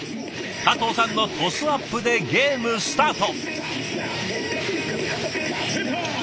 加藤さんのトスアップでゲームスタート。